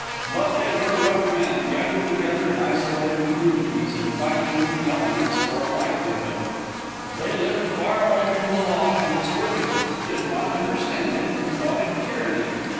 But they were rough men, gathered together in isolated communities and fighting with the elements for a livelihood. They lived far away from the law and its workings, did not understand it, and thought it tyranny.